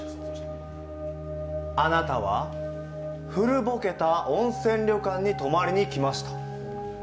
あなたは古ぼけた温泉旅館に泊まりにきました。